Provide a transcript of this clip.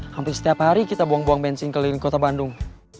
hampir setiap hari kita buang buang bensin keliling kota bandung